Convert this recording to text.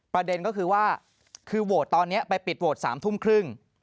ประเด็นก็คือว่าคือโหวตตอนนี้ไปปิดโหวต๓ทุ่มครึ่ง